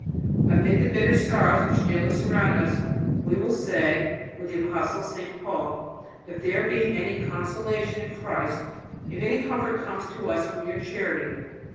Amid the bitter sorrows which daily surround us, we will say, with the apostle St. Paul, if there be any consolation in Christ, if any comfort comes to us from your charity